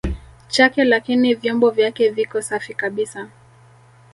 chake lakini vyombo vyake viko safi kabisa